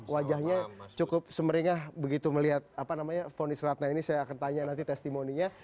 wajahnya cukup semeringah begitu melihat fonis ratna ini saya akan tanya nanti testimoninya